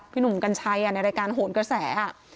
หนุ่มกัญชัยในรายการโหนกระแส